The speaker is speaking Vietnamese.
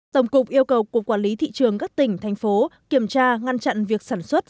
tổng cục yêu cầu cục quản lý thị trường các tỉnh thành phố kiểm tra ngăn chặn việc sản xuất